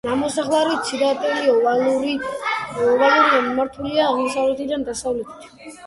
ნამოსახლარის ციტადელი ოვალურია, მიმართულია აღმოსავლეთიდან დასავლეთით.